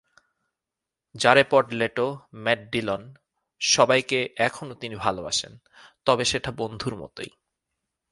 জারেপড Leto, Matt Dillon সবাইকে এখনো তিনি ভালোবাসেন, তবে সেটা বন্ধুর মতোই।